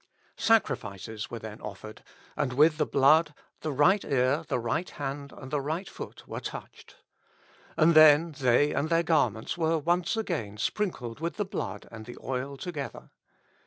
Sacrifices were then offered, and with the blood the right ear, the right hand, and the right foot were touched. And then they and their garments were once again sprinkled with the blood and the oil together.